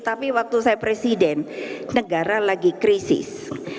tapi waktu saya presiden negara lagi krisis